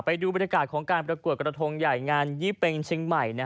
ไปดูบรรยากาศของการประกวดกระทงใหญ่งานยี่เป็งเชียงใหม่